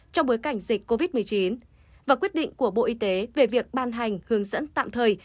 trong bối cảnh dịch covid một mươi chín và quyết định của bộ y tế về việc ban hành hướng dẫn tạm thời